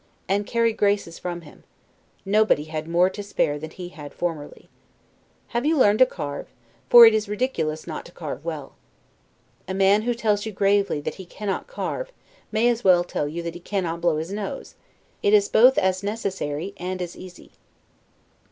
] and carry graces from him; nobody had more to spare than he had formerly. Have you learned to carve? for it is ridiculous not to carve well. A man who tells you gravely that he cannot carve, may as well tell you that he cannot blow his nose: it is both as necessary, and as easy.